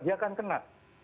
dia akan kena